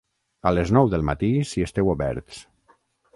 A les nou del matí si esteu oberts.